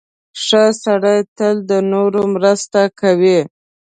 • ښه سړی تل د نورو مرسته کوي.